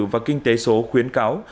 và kinh tế số khuyến cáo